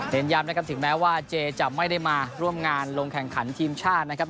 ย้ำนะครับถึงแม้ว่าเจจะไม่ได้มาร่วมงานลงแข่งขันทีมชาตินะครับ